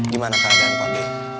gimana keadaan pak g